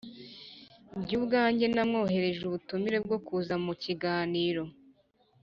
njye ubwanjye namwoherereje ubutumire bwo kuza mu kiganiro